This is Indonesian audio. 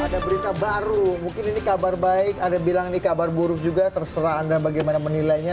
ada berita baru mungkin ini kabar baik ada yang bilang ini kabar buruk juga terserah anda bagaimana menilainya